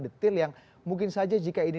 detail yang mungkin saja jika ini